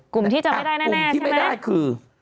กลุ่มที่จะไม่ได้แน่ใช่ไหมครับคุณที่ไม่ได้คือ